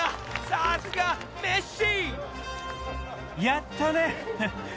さすがメッシ！